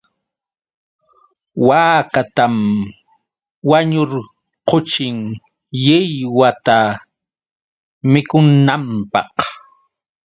Waakatam wañurquchin lliw wata mikunanpaq.